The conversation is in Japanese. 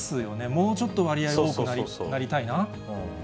もうちょっと割合多くなりたいな。